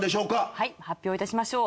はい発表いたしましょう。